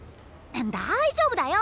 大丈夫だよ。